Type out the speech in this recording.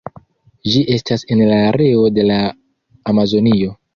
Ĝi estas en la areo de la Amazonio.